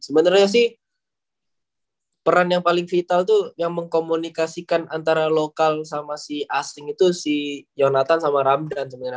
sebenarnya sih peran yang paling vital itu yang mengkomunikasikan antara lokal sama si asing itu si yonatan sama ramdan sebenarnya